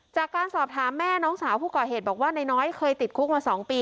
จากการสอบถามแม่น้องสาวผู้ก่อเหตุบอกว่านายน้อยเคยติดคุกมา๒ปี